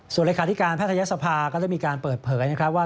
ส่วนเลขาธิการแพทยศภาก็ได้มีการเปิดเผยนะครับว่า